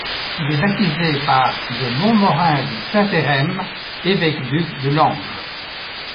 Il est baptisé par de Montmorin de Saint-Hérem, évêque-duc de Langres.